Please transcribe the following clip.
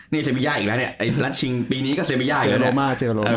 นี่เสียบียะอีกแล้วลัดชิงปีนี้ก็เสียบียะอีกแล้ว